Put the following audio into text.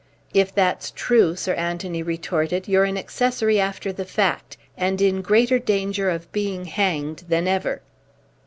"If that's true," Sir Anthony retorted, "you're an accessory after the fact, and in greater danger of being hanged than ever."